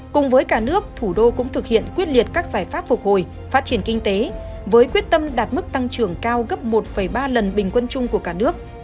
cùng với cả nước thủ đô cũng thực hiện quyết liệt các giải pháp phục hồi phát triển kinh tế với quyết tâm đạt mức tăng trưởng cao gấp một ba lần bình quân chung của cả nước